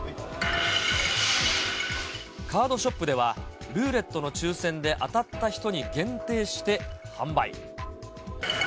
カードショップでは、ルーレットの抽せんで当たった人に限定して販売。